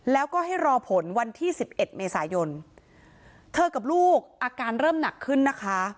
แล้วก็ให้รอผลวันที่สิบเอ็ดเมษายนเธอกับลูกอาการเริ่มหนักขึ้นนะคะ